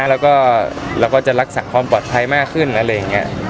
แล้วก็เราก็จะรักษาความปลอดภัยมากขึ้นอะไรอย่างนี้